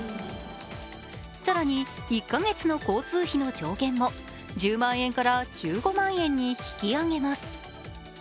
更に、１カ月の交通費の上限も１０万円から１５万円に引き上げます。